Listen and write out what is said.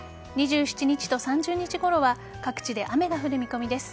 ２７日と３０日ごろは各地で雨が降る見込みです。